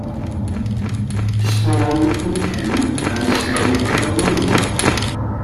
Spawn beat him and saved the woman.